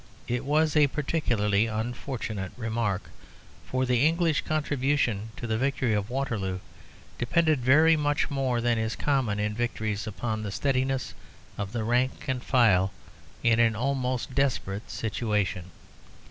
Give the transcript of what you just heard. It was a particularly unfortunate remark, for the English contribution to the victory of Waterloo depended very much more than is common in victories upon the steadiness of the rank and file in an almost desperate situation.